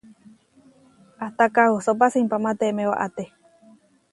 Ahtá kahusópa simpá matemé waʼáte.